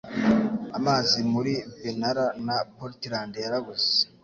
Amazi muri Benalla na Portland yarabuze.